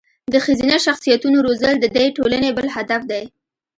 د ښځینه شخصیتونو روزل د دې ټولنې بل هدف دی.